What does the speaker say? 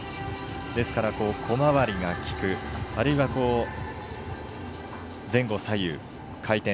ですから、小回りが利くあるいは、前後左右回転。